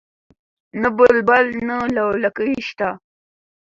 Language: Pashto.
نه بلبل نه لولکۍ شته